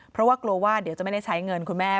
เพราะว่ากลัวว่าเดี๋ยวจะไม่ได้ใช้เงินคุณแม่